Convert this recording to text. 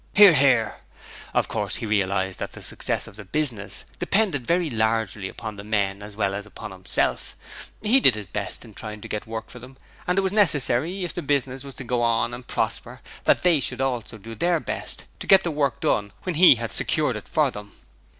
(Hear, hear.) Of course, he realized that the success of the business depended very largely upon the men as well as upon himself; he did his best in trying to get work for them, and it was necessary if the business was to go on and prosper that they should also do their best to get the work done when he had secured it for them.